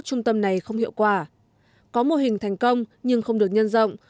trung tâm này không hiệu quả có mô hình thành công nhưng không được nhân rộng